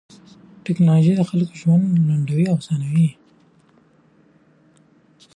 ټکنالوژي د خلکو ژوند لنډوي او اسانوي.